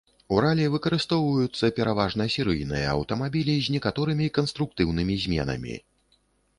У ралі выкарыстоўваюцца пераважна серыйныя аўтамабілі з некаторымі канструктыўнымі зменамі.